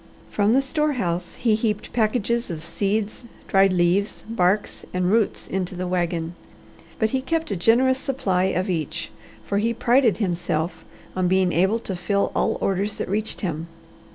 From the store house he heaped packages of seeds, dried leaves, barks, and roots into the wagon. But he kept a generous supply of each, for he prided himself on being able to fill all orders that reached him.